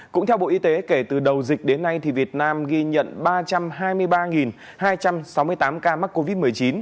cũng theo bộ y tế kể từ đầu dịch đến nay việt nam ghi nhận ba trăm hai mươi ba hai trăm sáu mươi tám ca mắc covid một mươi chín